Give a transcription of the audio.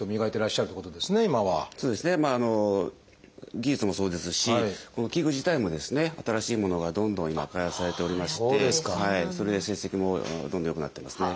技術もそうですしこの器具自体もですね新しいものがどんどん今開発されておりましてそれで成績もどんどん良くなってますね。